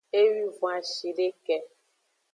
Ewwivon ashideke.